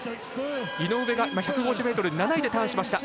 井上が１５０ｍ７位でターンしました。